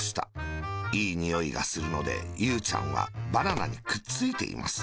いいにおいがするので、ゆうちゃんはバナナにくっついています。